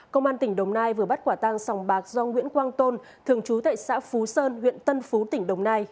công an tỉnh đồng nai vừa bắt quả tăng sòng bạc do nguyễn quang tôn thường trú tại xã phú sơn huyện tân phú tỉnh đồng nai